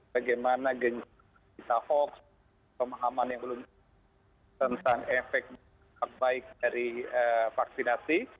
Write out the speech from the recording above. bagaimana gencar kita hoax pemahaman yang belum tentang efek baik dari vaksinasi